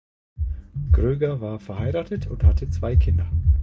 Gröger war verheiratet und hatte zwei Kinder.